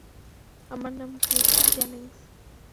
আমার নাম Keith Jennings!